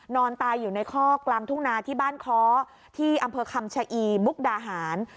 นอนตายอยู่ในคอกกลางทุ่งนาที่บ้านค้อที่อำเภอคำชะอีมุกดาหาร